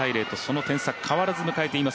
２−０とその点差、変わらず迎えています